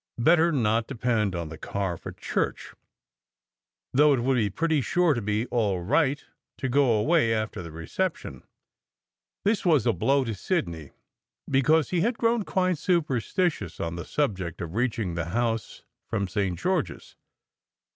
Better not depend on the car for church, though it would be pretty sure to be all right to go away in after the reception. This was a blow to Sidney, because he had grown quite superstitious on the subject of reaching the house from St. George s.